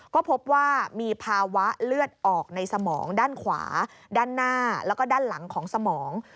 ก็พบว่ามีภาวะเลือดออกในสมองด้านขวาด้านหน้าแล้วก็ด้านหลังของสมอง